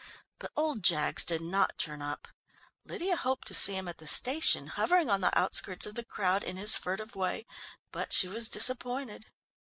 But old Jaggs did not turn up. Lydia hoped to see him at the station, hovering on the outskirts of the crowd in his furtive way, but she was disappointed.